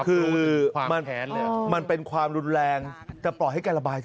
คือมันเป็นความรุนแรงจะปล่อยให้แกระบายสิ